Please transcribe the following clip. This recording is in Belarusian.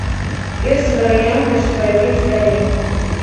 Ёсць варыянты, што рабіць далей.